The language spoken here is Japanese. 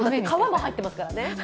皮も入ってますからね。